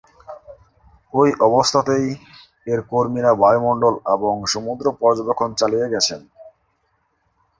ঐ অবস্থাতেই এর কর্মীরা বায়ুমণ্ডল এবং সমুদ্র পর্যবেক্ষণ চালিয়ে গেছেন।